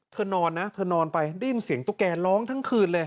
นอนนะเธอนอนไปได้ยินเสียงตุ๊กแกร้องทั้งคืนเลย